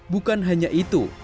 bukan hanya itu